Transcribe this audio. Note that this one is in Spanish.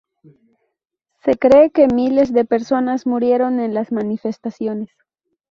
Se cree que miles de personas murieron en las manifestaciones.